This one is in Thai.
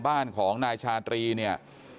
บ้านของนายชาตรีเนี่ย